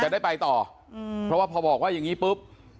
ได้ไปต่อเพราะว่าพอบอกว่าอย่างนี้ปุ๊บ